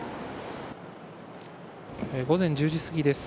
午前１０時過ぎです。